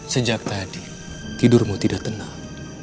sejak tadi tidurmu tidak tenang